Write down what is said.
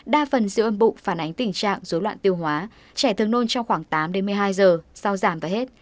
đa phần siêu âm bụng phản ánh tình trạng dối loạn tiêu hóa trẻ thương nôn trong khoảng tám đến một mươi hai giờ sao giảm và hết